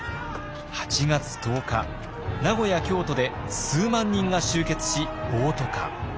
８月１０日名古屋京都で数万人が集結し暴徒化。